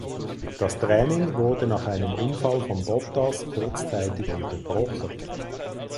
Das Training wurde nach einem Unfall von Bottas kurzzeitig unterbrochen.